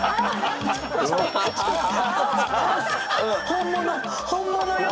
本物本物よ。